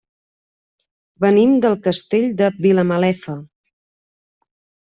Venim del Castell de Vilamalefa.